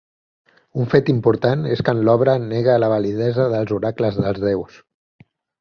Un fet important és que en l’obra nega la validesa dels oracles dels déus.